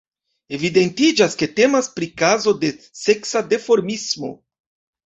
Evidentiĝas ke temas pri kazo de seksa duformismo.